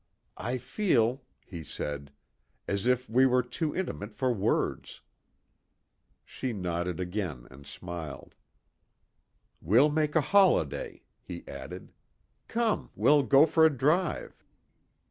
"I feel," he said, "as if we were too intimate for words." She nodded again and smiled. "We'll make a holiday," he added. "Come, we'll go for a drive."